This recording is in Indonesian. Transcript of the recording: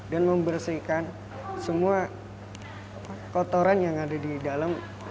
dan membersihkan semua kotoran yang ada di dalam